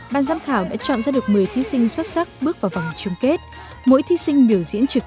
ban giám khảo đã chọn ra được một mươi thí sinh xuất sắc bước vào vòng chung kết mỗi thí sinh biểu diễn trực